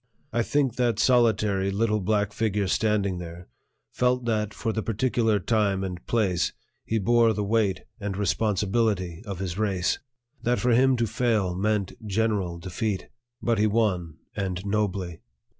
I think that solitary little black figure standing there felt that for the particular time and place he bore the weight and responsibility of his race; that for him to fail meant general defeat; but he won, and nobly.